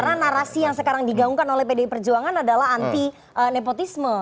karena narasi yang sekarang digaungkan oleh pdi perjuangan adalah anti nepotisme